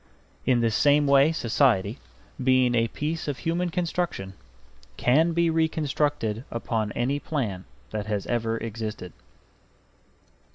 In the same way society, being a piece of human construction, can be reconstructed upon any plan that has ever existed.